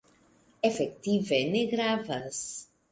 Efektive ne gravas.